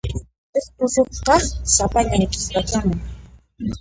Huk tusuqqa sapallan qhipakapun.